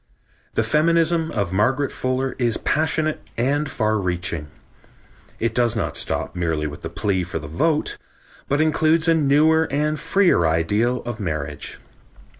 The feminism of Margaret Fuller is passionate and far reaching. It does not stop merely with the plea for the vote, but includes a newer and freer ideal of marriage.